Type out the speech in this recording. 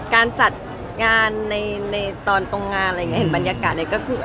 การจัดงานในตอนตรงงานอะไรอย่างนี้เห็นบรรยากาศเนี่ยก็คือ